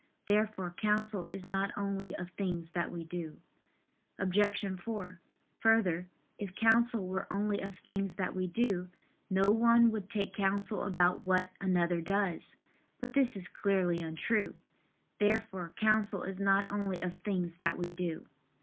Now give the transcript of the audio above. Therefore counsel is not only of things that we do. Obj. 4: Further, if counsel were only of things that we do, no one would take counsel about what another does. But this is clearly untrue. Therefore counsel is not only of things that we do.